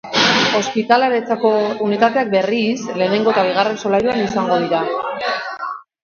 Ospitaleratzerako unitateak, berriz, lehenengo eta bigarren solairuan izango dira.